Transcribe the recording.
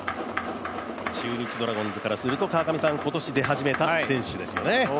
中日ドラゴンズからすると今年、出始めた選手ですよね。